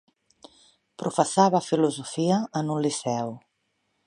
Professava filosofia en un liceu.